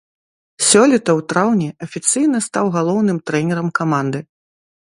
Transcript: Сёлета ў траўні афіцыйна стаў галоўным трэнерам каманды.